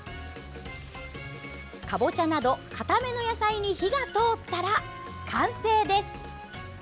かぼちゃなど、かための野菜に火が通ったら完成です。